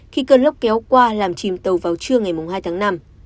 khi cơn lốc kéo qua làm chìm tàu vào trưa ngày hai tháng năm